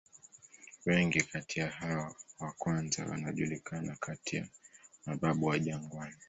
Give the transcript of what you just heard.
Wengi kati ya hao wa kwanza wanajulikana kati ya "mababu wa jangwani".